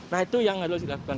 nah itu yang harus dilakukan